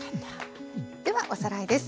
ではおさらいです。